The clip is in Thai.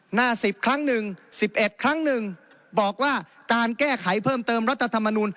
หน้า๑๐ครั้ง๑๑ครั้งหนึ่งบอกว่าการแก้ไขเพิ่มเติมรัฐธรรมนูล